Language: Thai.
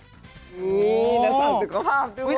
นี่นักศึกภาพด้วย